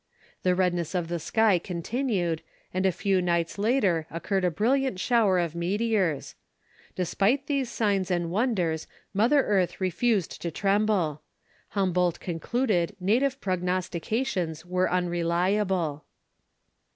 The redness of the sky continued, and a few nights later occurred a brilliant shower of meteors. Despite these signs and wonders, Mother Earth refused to tremble. Humboldt concluded native prognostications were unreliable.